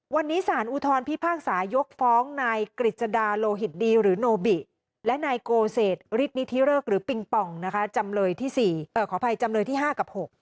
วันนี้สารอุทรพิพากษายกฟ้องนายกริจดาโลหิตดีหรือนโนบิและนายโกเศษริตนิทิเริกหรือปิงปองจำเลยที่๕กับ๖